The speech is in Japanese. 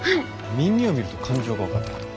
耳を見ると感情が分かる。